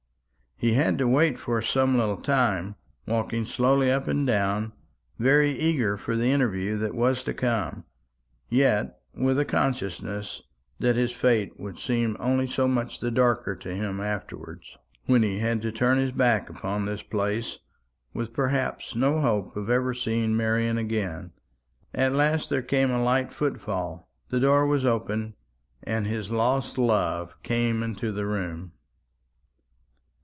He had to wait for some little time, walking slowly up and down; very eager for the interview that was to come, yet with a consciousness that his fate would seem only so much the darker to him afterwards, when he had to turn his back upon this place, with perhaps no hope of ever seeing Marian again. At last there came a light footfall; the door was opened, and his lost love came into the room.